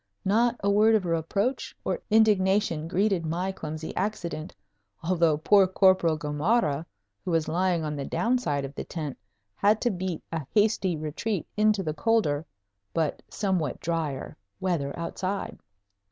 Not a word of reproach or indignation greeted my clumsy accident, although poor Corporal Gamarra, who was lying on the down side of the tent, had to beat a hasty retreat into the colder (but somewhat drier) weather outside.